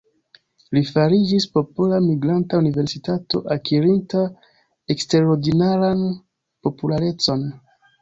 Li fariĝis popola "migranta universitato", akirinta eksterordinaran popularecon.